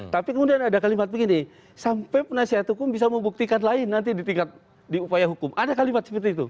tapi kemudian ada kalimat begini sampai penasihat hukum bisa membuktikan lain nanti di tingkat di upaya hukum ada kalimat seperti itu